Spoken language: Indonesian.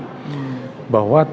bahwa tidak boleh ada anjing